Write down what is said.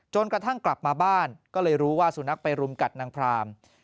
กระทั่งกลับมาบ้านก็เลยรู้ว่าสุนัขไปรุมกัดนางพราม